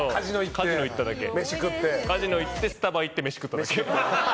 カジノ行って、スタバ行って飯食っただけ。